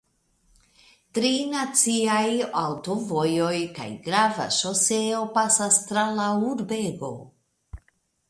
Tri naciaj aŭtovojoj kaj grava ŝoseo pasas tra la urbego.